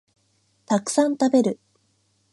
たくさん食べる